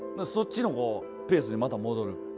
そっちのこうペースにまた戻る。